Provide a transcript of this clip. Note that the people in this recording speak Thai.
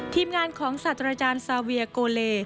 ทีมงานของศาสตราจารย์ซาเวียโกเล